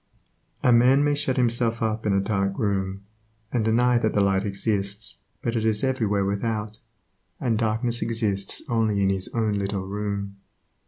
A man may shut himself up in a dark room, and deny that the light exists, but it is everywhere without, and darkness exists only in his own little room.